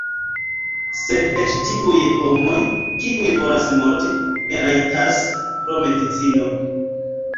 Sed eĉ tiuj homoj, kiuj volas morti, ne rajtas, pro medicino.